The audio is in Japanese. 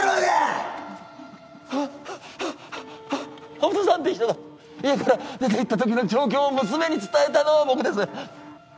延人さんって人が家から出ていったときの状況を娘に伝えたのは僕です。